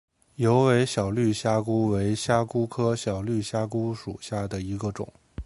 疣尾小绿虾蛄为虾蛄科小绿虾蛄属下的一个种。